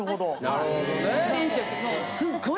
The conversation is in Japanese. なるほどね。